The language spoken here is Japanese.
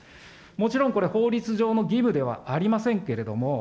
もちろんこれ、法律上の義務ではありませんけれども。